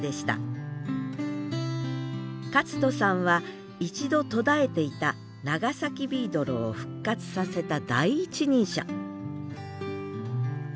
克人さんは一度途絶えていた長崎ビードロを復活させた第一人者